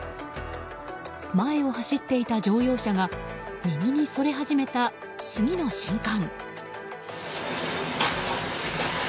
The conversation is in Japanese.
前を走っていた乗用車が右にそれ始めた、次の瞬間。